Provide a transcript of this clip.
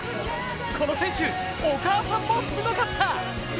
この選手、お母さんもすごかった。